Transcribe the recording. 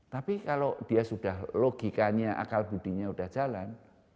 tapi kalau dia sudah logikanya akal budinya sudah jalan